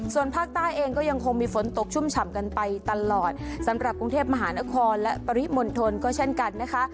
ส่วนภาคใต้เองก็ยังคงมีฝนตกชุ่มฉ่ำกันไปตลอดสำหรับกรุงเทพมหานครและปริมณฑลก็เช่นกันนะคะ